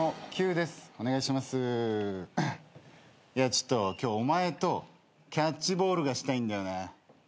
ちょっと今日お前とキャッチボールがしたいんだよね。